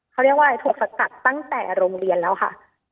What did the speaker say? เขาเรียกว่าอะไรถูกสกัดตั้งแต่โรงเรียนแล้วค่ะ